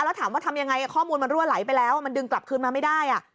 แล้วถามว่าทำยังไงข้อมูลมันรั่วไหลไปแล้วมันดึงกลับคืนมาไม่ได้